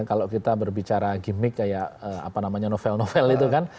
kalau kita berbicara gimmick kayak novel novel itu kan